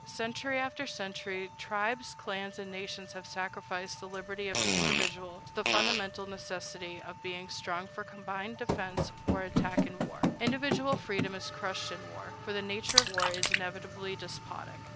Century after century, tribes, clans, and nations have sacrificed the liberty of the individual to the fundamental necessity of being strong for combined defense or attack in war. Individual freedom is crushed in war, for the nature of war is inevitably despotic.